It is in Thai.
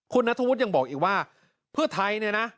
คุณนัทธวุฒิยังบอกอีกว่าเพื่อไทยเนี่ยนะ